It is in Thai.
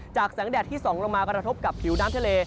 แสงแดดที่ส่องลงมากระทบกับผิวน้ำทะเล